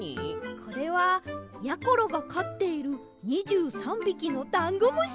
これはやころがかっている２３びきのダンゴムシたちです！